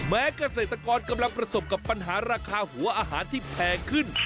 เกษตรกรกำลังประสบกับปัญหาราคาหัวอาหารที่แพงขึ้น